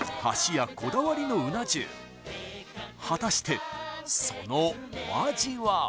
家こだわりのうな重果たしてそのお味は？